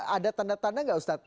ada tanda tanda enggak ustaz